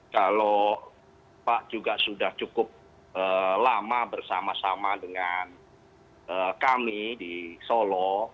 kalau pak juga sudah cukup lama bersama sama dengan kami di solo